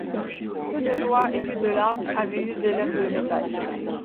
Que de joies et que de larmes avaient usé l'humble métal!